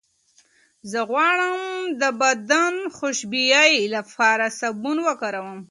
زه غواړم د بدن خوشبویۍ لپاره سابون وکاروم.